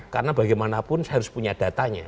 karena bagaimanapun saya harus punya datanya